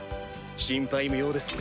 心配無用です。